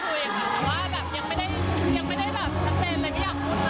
คุณไม่ได้มองเลยว่าวุ้นจะมีหรือไม่มี